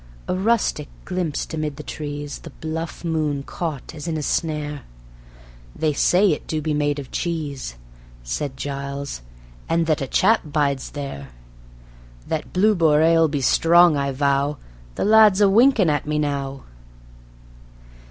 A rustic glimpsed amid the trees The bluff moon caught as in a snare. "They say it do be made of cheese," Said Giles, "and that a chap bides there. ... That Blue Boar ale be strong, I vow The lad's a winkin' at me now."